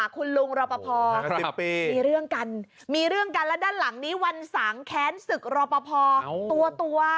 คนไหน๖๑คนไหน๗๕นะ